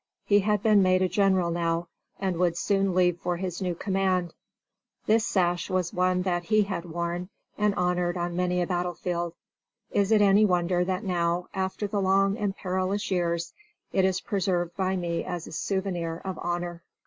He had been made a general now, and would soon leave for his new command. This sash was one that he had worn and honored on many a battlefield. Is it any wonder that now, after the long and perilous years, it is preserved by me as a souvenir of honor?